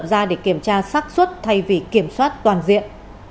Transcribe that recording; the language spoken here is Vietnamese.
chốt lập ra để kiểm tra sắc xuất thay vì kiểm soát toàn diện